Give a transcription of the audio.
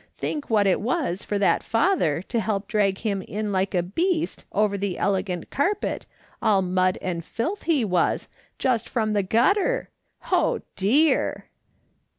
Think what it was for that father to help drag him in like a beast over the elegant carpet, all mud and filth he was, just from the gutter ! Oh dear